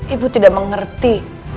ibu tidak mengerti